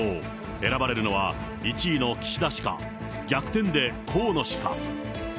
選ばれるのは、１位の岸田氏か、逆転で河野氏か。